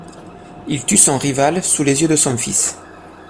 Il tue son rival, sous les yeux de son fils.